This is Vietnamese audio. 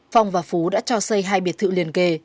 phong và phú đã cho xây hai biệt thự liền kề